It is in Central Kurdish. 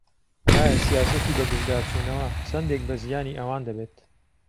ئایا سیاسەتی بەگژداچوونەوە چەندێک بە زیانی ئەوان دەبێت؟